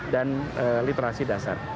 dan literasi dasar